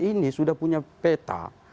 ini sudah punya peta